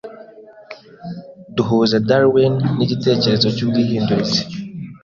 Duhuza Darwin nigitekerezo cyubwihindurize.